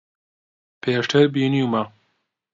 پێشتر بینیومە.